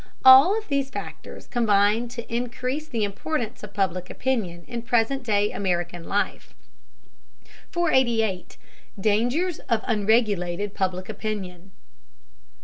All of these factors combine to increase the importance of Public Opinion in present day American life. 488. DANGERS OF UNREGULATED PUBLIC OPINION.